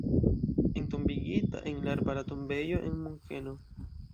Entombigita en la Arbara Tombejo en Munkeno.